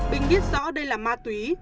bình biết rõ đây là ma túy